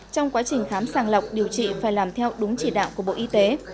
trong quá trình khám sàng lọc điều trị phải làm theo đúng chỉ đạo của bộ y tế